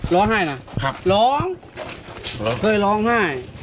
ร้องไห้นะร้องเฮ้ยร้องไห้